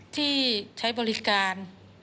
ที่ใช้บริการ